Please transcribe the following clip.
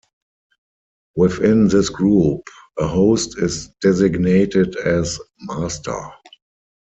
Within this group, a host is designated as "Master".